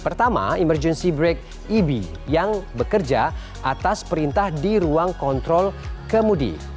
pertama emergency break eb yang bekerja atas perintah di ruang kontrol kemudi